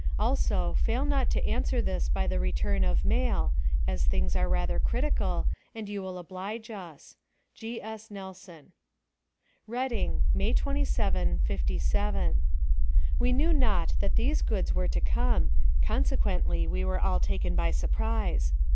Also, fail not to answer this by the return of mail, as things are rather critical, and you will oblige us. G.S. NELSON. Reading, May 27, '57. We knew not that these goods were to come, consequently we were all taken by surprise.